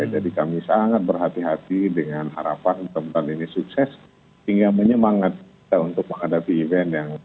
jadi kami sangat berhati hati dengan harapan tempat ini sukses hingga menyemangat kita untuk menghadapi event yang berharga